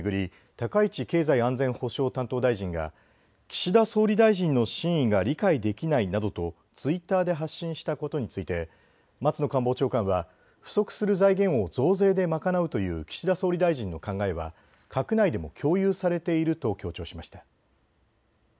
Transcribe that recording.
高市経済安全保障担当大臣が岸田総理大臣の真意が理解できないなどとツイッターで発信したことについて松野官房長官は不足する財源を増税で賄うという岸田総理大臣の考えは閣内でも共有されていると強調しました。